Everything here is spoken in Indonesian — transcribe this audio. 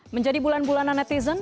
menjadi bulan bulanan netizen